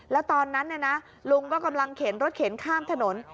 แล้วตอนนั้นลุงก็กำลังเข็นรถเข็นข้ามถนน